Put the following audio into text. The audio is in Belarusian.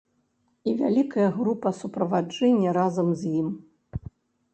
І вялікая група суправаджэння разам з ім.